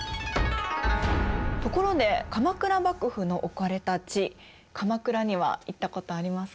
ところで鎌倉幕府の置かれた地鎌倉には行ったことありますか？